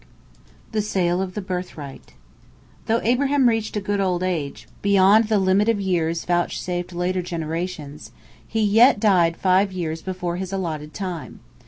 THE SALE OF THE BIRTHRIGHT Though Abraham reached a good old age, beyond the limit of years vouchsafed later generations, he yet died five years before his allotted time.